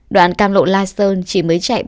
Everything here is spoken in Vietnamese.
đoạn cam lộ lightstone chỉ mới chạy ba mươi km